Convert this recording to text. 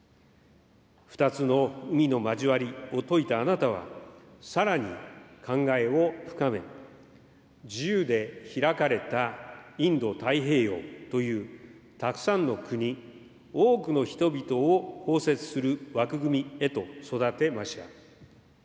二つの海の交わりを説いたあなたは、さらに考えを深め、自由で開かれたインド太平洋という、たくさんの国、多くの人々を包摂する枠組みへと育てました。